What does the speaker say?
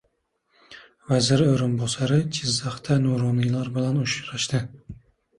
Vazir o‘rinbosari Jizzaxda nuroniylar bilan uchrashdi